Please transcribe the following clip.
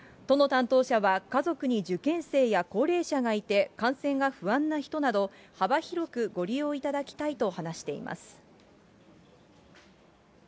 都の担当者は家族に受験生や高齢者がいて、感染が不安な人など、幅広くご利用いただきたいと話しています。